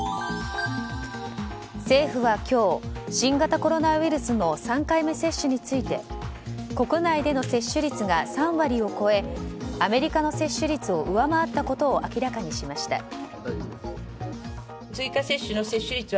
政府は今日新型コロナウイルスの３回目接種について国内での接種率が３割を超えアメリカの接種率を上回ったことを明らかにしました。